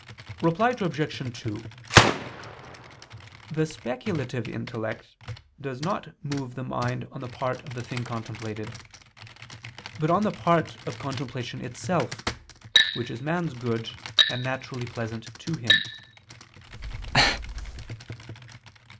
Reply Obj. 2: The speculative intellect does not move the mind on the part of the thing contemplated: but on the part of contemplation itself, which is man's good and naturally pleasant to him.